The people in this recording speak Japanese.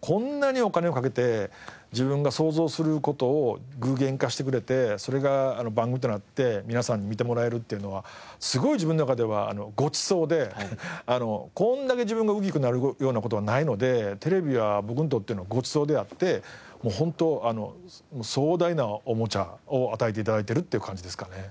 こんなにお金をかけて自分が想像する事を具現化してくれてそれが番組となって皆さんに見てもらえるっていうのはすごい自分の中ではごちそうでこれだけ自分がウキウキなるような事はないのでテレビは僕にとってのごちそうであってもう本当壮大なおもちゃを与えて頂いているっていう感じですかね。